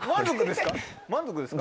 満足ですか？